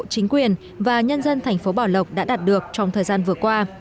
chính quyền và nhân dân thành phố bảo lộc đã đạt được trong thời gian vừa qua